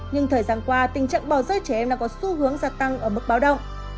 nhưng thời gian qua tình trạng bỏ rơi trẻ em đã có xu hướng gia tăng ở mức báo động